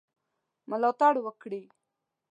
ملاتړ وکړي.